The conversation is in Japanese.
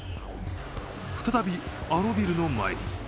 再び、あのビルの前に。